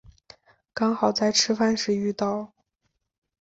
刚好在吃饭时遇到